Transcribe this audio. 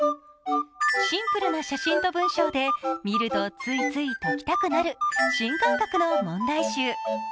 シンプルな写真と文章で見るとついつい解きたくなる新感覚の問題集。